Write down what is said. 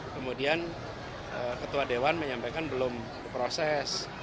kemudian ketua dewan menyampaikan belum diproses